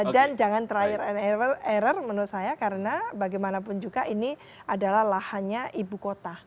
dan jangan try and error menurut saya karena bagaimanapun juga ini adalah lahannya ibu kota